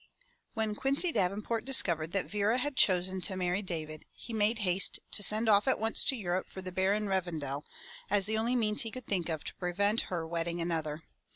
When Quincy Davenport discovered that Vera had chosen to marry David, he made haste to send off at once to Europe for the Baron Revendal as the only means he could think of to prevent her wedding another.